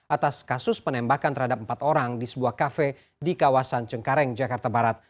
atas kasus penembakan terhadap empat orang di sebuah kafe di kawasan cengkareng jakarta barat